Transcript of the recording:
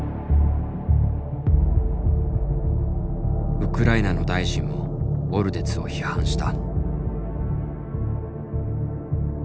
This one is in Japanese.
ウクライナの大臣もオルデツを批判した。